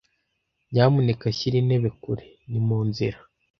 Nyamuneka shyira intebe kure. Ni mu nzira.